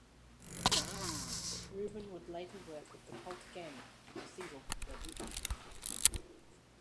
Rubin would later work with The Cult again for the single "The Witch".